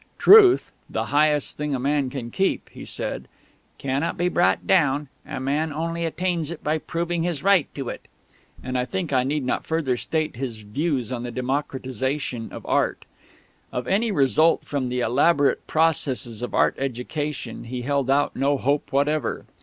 "Truth, 'the highest thing a man may keep,'" he said, "cannot be brought down; a man only attains it by proving his right to it"; and I think I need not further state his views on the democratisation of Art. Of any result from the elaborate processes of Art education he held out no hope whatever.